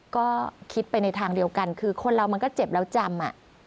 ก็คิดไปในทางเดียวกันคือคนเรามันก็เจ็บแล้วจำ